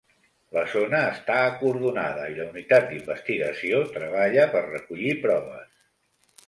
La zona està acordonada i la unitat d’investigació treballa per recollir proves.